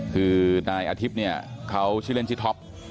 คือนายอาทิบเนี่ยเขาชื่อเล่นชิทฟ์